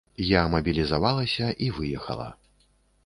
Я мабілізавалася і выехала.